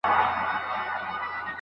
غلا کول د شرم کار دی.